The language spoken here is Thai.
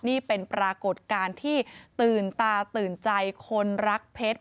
นี่เป็นปรากฏการณ์ที่ตื่นตาตื่นใจคนรักเพชร